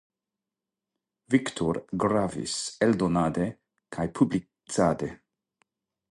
Victor gravis eldonade kaj publicade.